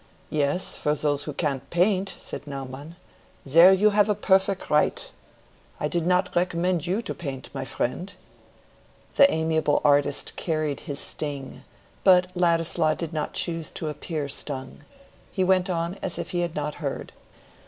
"Yes, for those who can't paint," said Naumann. "There you have perfect right. I did not recommend you to paint, my friend." The amiable artist carried his sting, but Ladislaw did not choose to appear stung. He went on as if he had not heard.